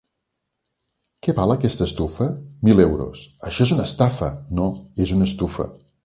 -Que val aquesta estufa? -Mil euros. -Això és una estafa! -No, és una estufa.